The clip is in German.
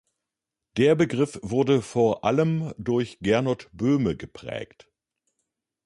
Der Begriff wurde vor allem durch Gernot Böhme geprägt.